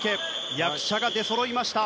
役者が出そろいました。